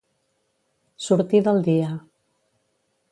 Sortir del dia.